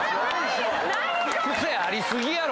何これ⁉癖あり過ぎやろ！